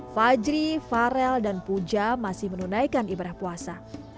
fajri farel dan puja masih menunaikan ibadah puasa